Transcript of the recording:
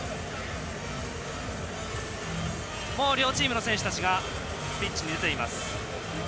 もう両チームの選手たちがピッチに出ています。